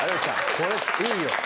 これいいよ